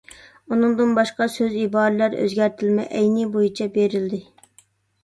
ئۇنىڭدىن باشقا سۆز-ئىبارىلەر ئۆزگەرتىلمەي، ئەينى بويىچە بېرىلدى.